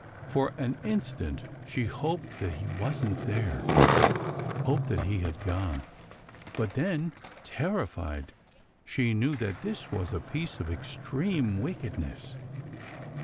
For an instant she hoped that he wasn't there hoped that he had gone but then, terrified, she knew that this was a piece of extreme wickedness.